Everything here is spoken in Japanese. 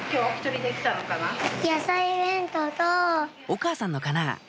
お母さんのかな？